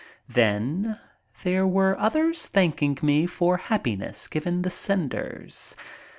Then there were others thanking me for happiness given the senders.